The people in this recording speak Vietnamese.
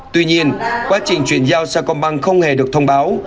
tuy nhiên quá trình chuyển giao sa công băng không hề được thông báo